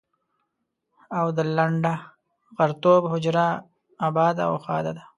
او د لنډه غرتوب حجره اباده او ښاده ده.